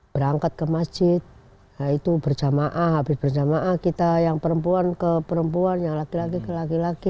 berangkat ke masjid itu berjamaah habis berjamaah kita yang perempuan ke perempuan yang laki laki ke laki laki